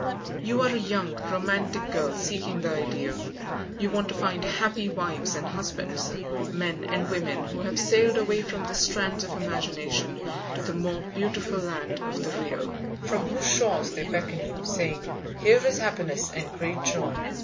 You are a young, romantic girl seeking the ideal. You want to find happy wives and husbands, men and women who have sailed away from the Strands of Imagination to the more beautiful land of the Real, from whose shores they beckon you, saying: "Here is happiness and great joy.